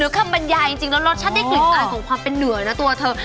นับธรรมบัญญาจริงจริงแล้วรสชาติได้กลิ่นอ่ายของความเป็นเหนือนะตัวเธอ